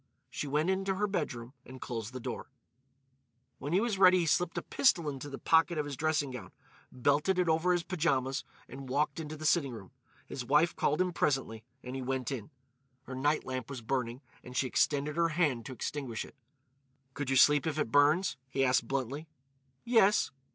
She went into her bedroom and closed the door. When he was ready he slipped a pistol into the pocket of his dressing gown, belted it over his pyjamas, and walked into the sitting room. His wife called him presently, and he went in. Her night lamp was burning and she extended her hand to extinguish it. "Could you sleep if it burns?" he asked bluntly. "Yes."